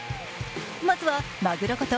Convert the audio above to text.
まずはまぐろこと